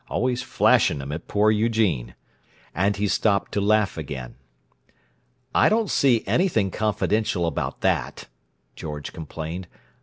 Always flashing 'em at poor Eugene!" And he stopped to laugh again. "I don't see anything confidential about that," George complained.